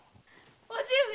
叔父上！